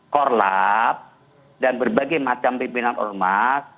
korlap dan berbagai macam pimpinan ormas